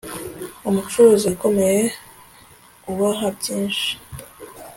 Umucuruzi ukomeye ubaha byinshi